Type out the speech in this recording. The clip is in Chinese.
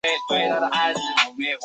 奥托米人是墨西哥第五大原住民。